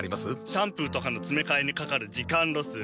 シャンプーとかのつめかえにかかる時間ロス。